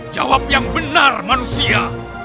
jawab yang benar manusia